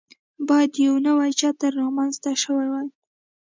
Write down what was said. باید یو نوی چتر رامنځته شوی وای.